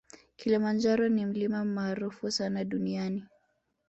Kilimanjaro ni mlima maarufu sana duniani